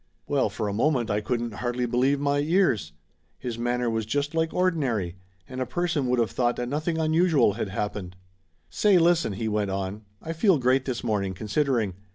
Well, for a moment I couldn't hardly believe my ears ! His manner was just like ordinary, and a per son would of thought that nothing unusual had hap pened. "Say, listen," he went on, "I feel great this morning, considering.